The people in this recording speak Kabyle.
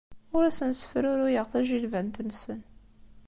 Ur asen-ssefruruyeɣ tajilbant-nsen.